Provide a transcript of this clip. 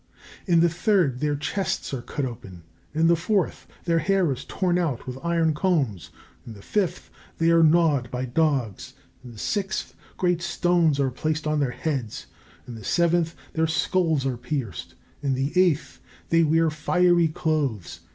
In the third, their chests are cut open. In the fourth, their hair is torn out with iron combs. In the fifth, they are gnawed by dogs. In the sixth, great stones are placed on their heads. In the seventh, their skulls are pierced. In the eighth, they wear fiery clothes.